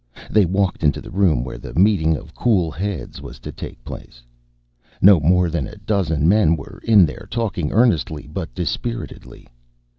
They walked into the room where the meeting of cool heads was to take place. No more than a dozen men were in there talking earnestly but dispiritedly.